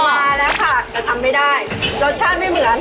แต่ทำไม่ได้รสชาติไม่เหมือน